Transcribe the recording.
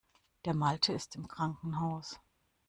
Der Malte ist im Krankenhaus.